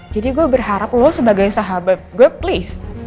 jadi gue berharap lo sebagai sahabat gue please